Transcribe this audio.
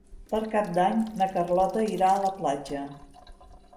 Per Cap d'Any na Carlota irà a la platja.